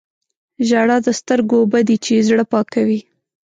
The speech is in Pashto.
• ژړا د سترګو اوبه دي چې زړه پاکوي.